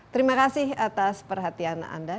terima kasih atas perhatian anda